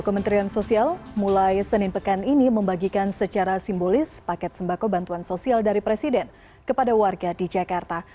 kementerian sosial mulai senin pekan ini membagikan secara simbolis paket sembako bantuan sosial dari presiden kepada warga di jakarta